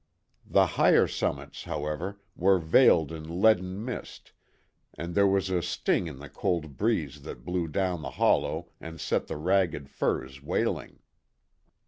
The higher summits, however, were veiled in leaden mist, and there was a sting in the cold breeze that blew down the hollow and set the ragged firs wailing.